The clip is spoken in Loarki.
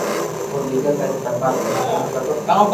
تو ڪرپا ڪرين پرماتما رو سمرن ڪرو